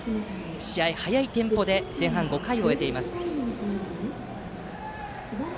試合は早いテンポで前半５回を終えています。